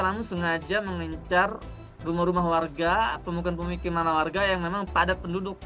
namun sengaja mengincar rumah rumah warga pemukul pemikiman warga yang memang padat penduduk